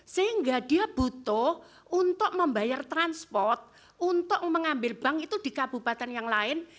sehingga dia butuh untuk membayar transport untuk mengambil bank itu di kabupaten yang lain